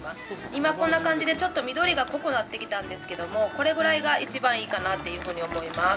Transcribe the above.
今こんな感じでちょっと緑が濃くなってきたんですけどもこれぐらいが一番いいかなっていうふうに思います。